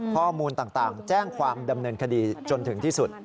ข้อมูลต่างแจ้งความดำเนินคดีจนถึงที่สุด